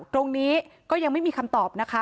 ตรงนี้ก็ยังไม่มีคำตอบนะคะ